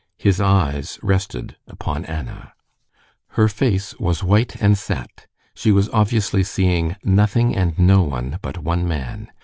His eyes rested upon Anna. Her face was white and set. She was obviously seeing nothing and no one but one man.